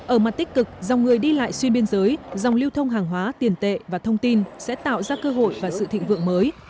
ở mặt tích cực dòng người đi lại xuyên biên giới dòng lưu thông hàng hóa tiền tệ và thông tin sẽ tạo ra cơ hội và sự thịnh vượng mới